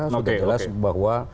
sudah jelas bahwa